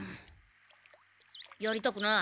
やりたくない。